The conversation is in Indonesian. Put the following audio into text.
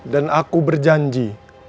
dan aku berjanji